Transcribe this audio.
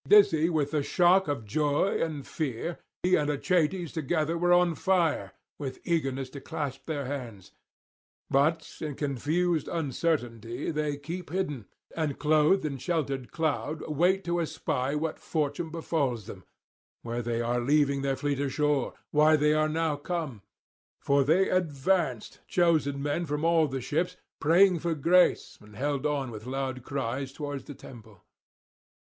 Dizzy with the shock of joy and fear he and Achates together were on fire with eagerness to clasp their hands; but in confused uncertainty they keep hidden, and clothed in the sheltering cloud wait to espy what fortune befalls them, where they are leaving their fleet ashore, why they now come; for they advanced, chosen men from all the ships, praying for grace, and held on with loud cries towards the temple.